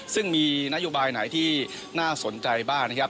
ซึ่งมีนโยบายไหนที่น่าสนใจบ้างนะครับ